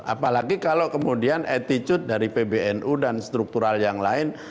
apalagi kalau kemudian attitude dari pbnu dan struktural yang lain